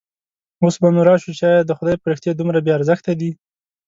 اوس به نو راشو چې ایا د خدای فرښتې دومره بې ارزښته دي.